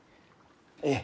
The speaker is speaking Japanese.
ええ。